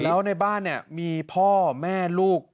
แล้วในบ้านเนี่ยมีพ่อแม่ลูก